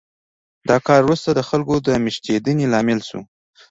دا کار وروسته د خلکو د مېشتېدنې لامل شو